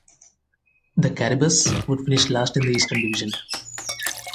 The Caribous would finish last in the Eastern Division.